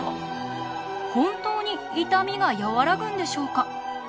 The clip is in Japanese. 本当に痛みが和らぐんでしょうか？